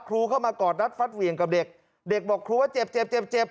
ครูเข้ามากอดรัดฟัดเหวี่ยงกับเด็กเด็กบอกครูว่าเจ็บเจ็บเจ็บ